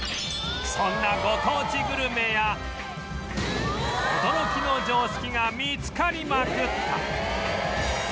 そんなご当地グルメや驚きの常識が見つかりまくった